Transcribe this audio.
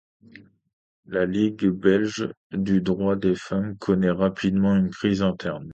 La ligue belge du droit des femmes connaît rapidement une crise interne.